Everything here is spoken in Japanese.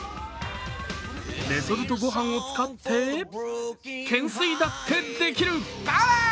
レトルト御飯を使って、懸垂だってできる。